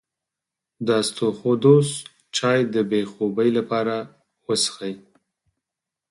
د اسطوخودوس چای د بې خوبۍ لپاره وڅښئ